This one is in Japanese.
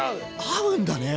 合うんだね！